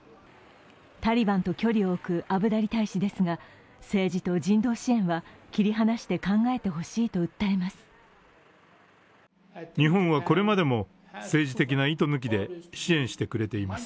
タリバンと距離を置くアブダリ大使ですが政治と人道支援は切り離して考えてほしいと訴えます。